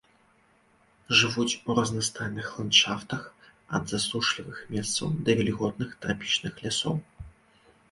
Жывуць у разнастайных ландшафтах, ад засушлівых месцаў да вільготных трапічных лясоў.